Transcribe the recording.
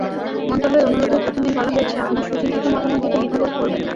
মন্তব্যের অনুরোধের প্রথমেই বলা হয়েছে আপনার সুচিন্তিত মতামত দিতে দ্বিধাবোধ করবেন না।